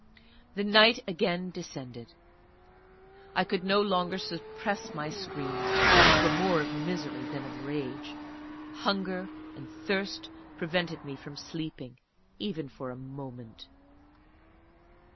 The night again descended. I could no longer suppress my screams, which were more of misery than of rage. Hunger and thirst prevented me from sleeping, even for a moment.